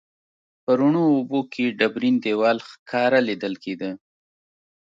په روڼو اوبو کې ډبرین دیوال ښکاره لیدل کیده.